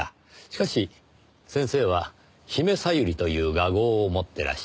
しかし先生は姫小百合という雅号を持ってらっしゃる。